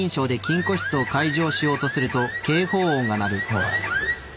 おい。